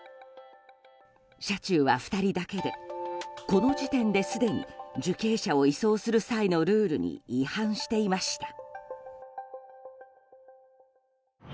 車中は２人だけでこの時点ですでに受刑者を移送する際のルールに違反していました。